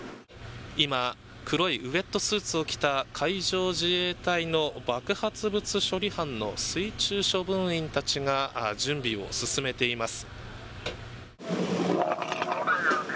今、黒いウエットスーツを着た海上自衛隊の爆発物処理班の水中処分員たちが準備を進めています。